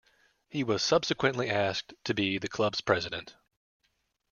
He was subsequently asked to be the club's president.